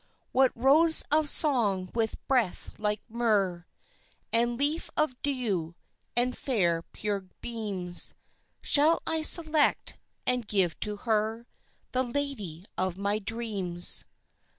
What rose of song with breath like myrrh, And leaf of dew and fair pure beams Shall I select and give to her The lady of my dreams?